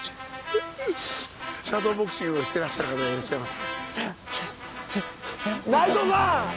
シャドーボクシングをしてらっしゃる方がいらっしゃいます。